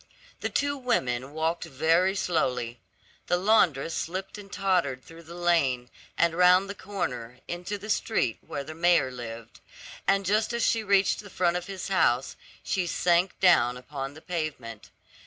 The two women walked very slowly. The laundress slipped and tottered through the lane, and round the corner, into the street where the mayor lived; and just as she reached the front of his house, she sank down upon the pavement.